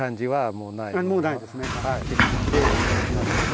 きれいに落ちました。